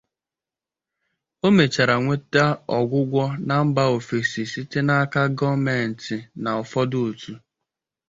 O mechara nweta ọgwụgwọ na mba ofesi site n'aka gọọmentị na ụfọdụ otu.